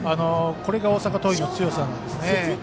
これが大阪桐蔭の強さなんですね。